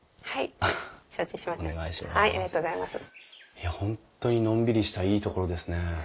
いや本当にのんびりしたいいところですね。